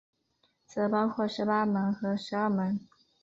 则包括十八门和十二门。